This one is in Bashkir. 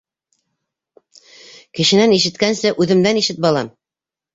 -Кешенән ишеткәнсе, үҙемдән ишет, балам.